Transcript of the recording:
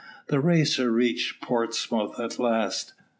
The Racer reached Portsmouth at last.